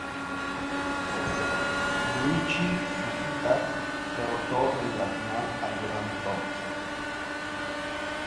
Yūichi Sugita derroto en la final a Jordan Thompson.